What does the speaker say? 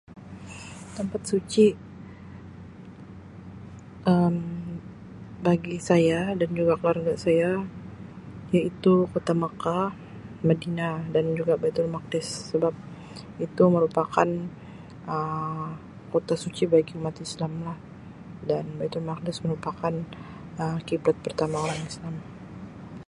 Tempat suci Um bagi saya dan juga keluarga saya iaitu Kota Mekah, Madinah dan juga Baitul Maqdis. Sebab itu merupakan Um kota suci bagi umat Islamlah. Dan Baitul Maqdis merupakan Um kiblat pertama orang Islam.